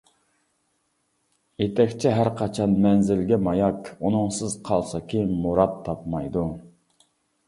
يېتەكچى ھەرقاچان مەنزىلگە ماياك، ئۇنىڭسىز قالسا كىم مۇراد تاپمايدۇ.